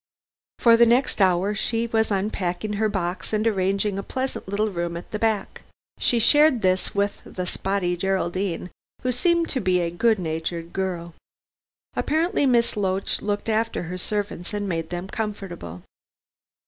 For the next hour she was unpacking her box and arranging a pleasant little room at the back. She shared this with the spotty Geraldine, who seemed to be a good natured girl. Apparently Miss Loach looked after her servants and made them comfortable.